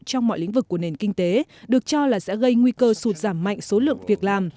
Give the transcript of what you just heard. trong mọi lĩnh vực của nền kinh tế được cho là sẽ gây nguy cơ sụt giảm mạnh số lượng việc làm